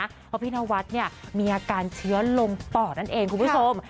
เพราะพี่นวัดเนี่ยมีอาการเชื้อลงปอดนั่นเองคุณผู้ชม